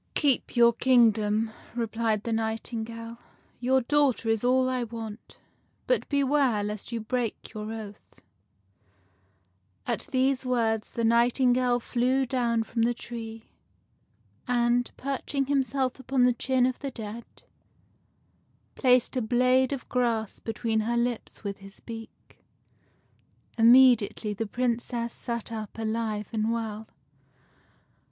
" Keep your kingdom," replied the nightingale. " Your daughter is all I want. But beware lest you break your oath." At these words the nightingale flew down from the tree, and, perching himself upon the chin of the dead, placed a blade of grass between her lips with his beak. Immediately the Princess sat up alive and well.